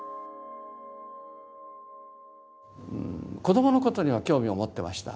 子どものことには興味を持ってました。